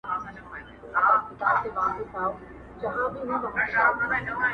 او پر خره باندي یې پیل کړل ګوزارونه!.